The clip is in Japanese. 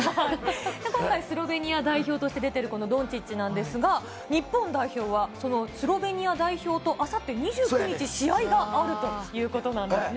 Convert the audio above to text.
今回、スロベニア代表として出てるこのドンチッチなんですが、日本代表はそのスロベニア代表と、あさって２９日、試合があるということなんですね。